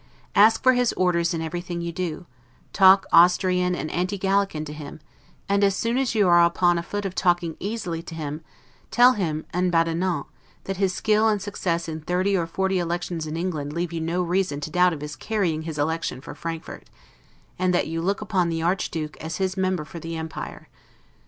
Ask for his orders in everything you do; talk Austrian and Anti gallican to him; and, as soon as you are upon a foot of talking easily to him, tell him 'en badinant', that his skill and success in thirty or forty elections in England leave you no reason to doubt of his carrying his election for Frankfort; and that you look upon the Archduke as his Member for the Empire.